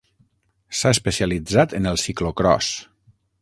S'ha especialitzat en el ciclocròs.